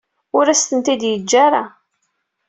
Ur asent-ten-id-yeǧǧa ara.